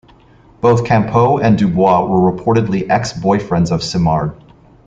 Both Campeau and Dubois were reportedly ex-boyfriends of Simard.